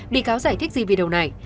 bị cáo giải thích gì video này